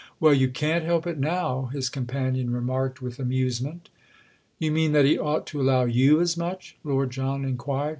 "Well, you can't help it now," his companion remarked with amusement. "You mean that he ought to allow you as much?" Lord John inquired.